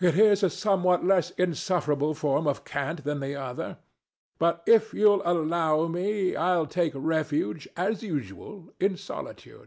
It is a somewhat less insufferable form of cant than the other. But if you'll allow me, I'll take refuge, as usual, in solitude.